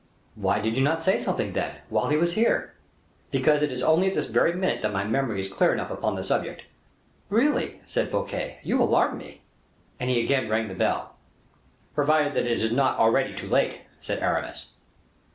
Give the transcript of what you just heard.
"Why did you not say something, then, while he was here?" "Because it is only at this very minute that my memory is clear upon the subject." "Really," said Fouquet, "you alarm me." And he again rang the bell. "Provided that it is not already too late," said Aramis.